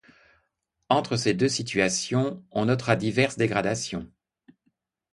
Entre ces deux situations, on notera diverses dégradations.